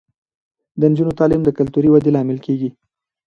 د نجونو تعلیم د کلتوري ودې لامل کیږي.